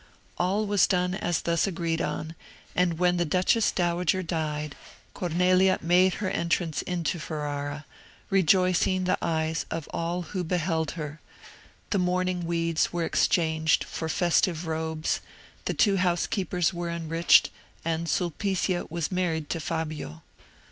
All was done as thus agreed on; and when the duchess dowager died, Cornelia made her entrance into Ferrara, rejoicing the eyes of all who beheld her: the mourning weeds were exchanged for festive robes, the two housekeepers were enriched, and Sulpicia was married to Fabio.